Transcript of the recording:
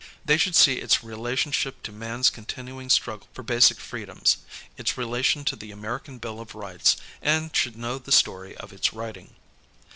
They should see its relationship to mans continuing struggle for basic freedoms, its relation to the American liill of Rights, and should know the story of its writing.